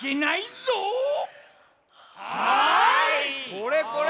これこれ！